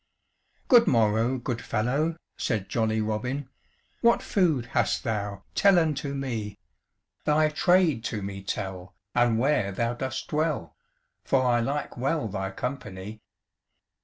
"Good morrow, good fellow," said jolly Robin, "What food hast thou? tell unto me; Thy trade to me tell, and where thou dost dwell, For I like well thy company."